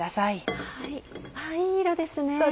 いい色ですね。